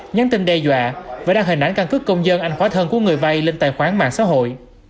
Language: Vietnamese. nhắn tin đe dọa và đăng hình ảnh căn cước công dân ảnh khỏa thân của người vay lên tài khoản mạng xã hội